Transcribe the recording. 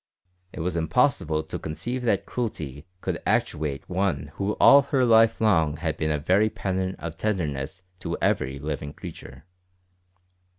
It was impossible to conceive that cruelty could actuate one who all her life long had been a very pattern of tenderness to every living creature.